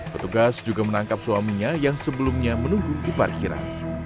petugas juga menangkap suaminya yang sebelumnya menunggu di parkiran